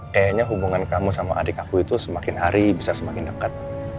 kayaknya hubungan kamu sama adik aku itu semakin hari bisa semakin dekat